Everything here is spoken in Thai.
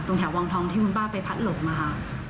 ตรงแถววองทองที่คุณป้าไปพัดหลบมาค่ะ